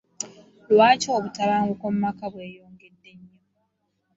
Lwaki obutabanguko mu maka bweyongedde nnyo?